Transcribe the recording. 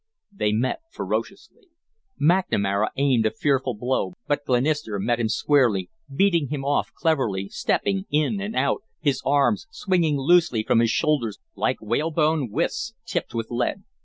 They met ferociously. McNamara aimed a fearful blow, but Glenister met him squarely, beating him off cleverly, stepping in and out, his arms swinging loosely from his shoulders like whalebone withes tipped with lead.